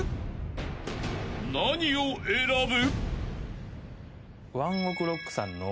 ［何を選ぶ？］